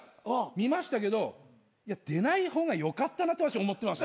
見ましたけど出ない方がよかったなって私思ってます。